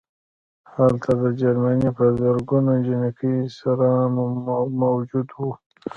هلته د جرمني په زرګونه جنګي اسیران موجود وو